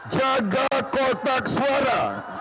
jaga kotak suara